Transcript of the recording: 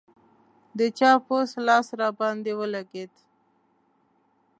د چا پوست لاس راباندې ولګېد.